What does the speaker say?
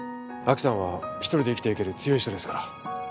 亜紀さんは一人で生きていける強い人ですから。